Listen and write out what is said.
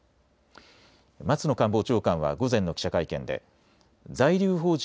松野官房長官は午前の記者会見で在留邦人